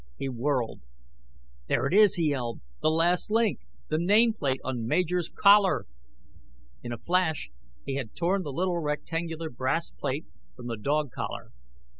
He whirled. "There it is!" he yelled. "The last link. The nameplate on Major's collar!" In a flash, he had torn the little rectangular brass plate from the dog collar.